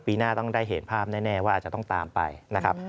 ปีหน้าต้องได้เห็นภาพแน่ว่าอาจจะต้องตามไปนะครับ